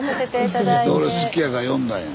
俺好きやから呼んだんよ。